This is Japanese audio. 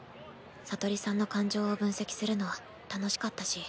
聡里さんの感情を分析するの楽しかったし。